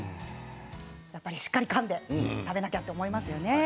やっぱり、しっかりかんで食べなくちゃと思いますね。